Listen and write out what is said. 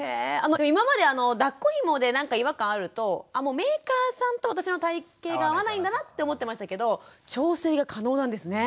今までだっこひもでなんか違和感あるとメーカーさんと私の体形が合わないんだなって思ってましたけど調整が可能なんですね。